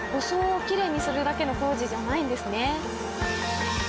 装をきれいにするだけの工事じゃないんですね。